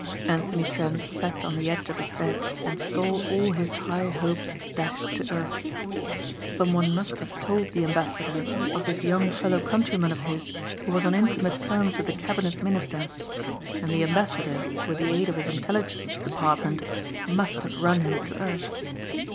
Anthony Trent sat on the edge of his bed and saw all his high hopes dashed to earth. Someone must have told the ambassador of this young fellow countryman of his who was on intimate terms with a cabinet minister. And the ambassador with the aid of his intelligence department must have run him to earth.